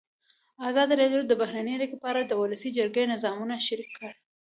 ازادي راډیو د بهرنۍ اړیکې په اړه د ولسي جرګې نظرونه شریک کړي.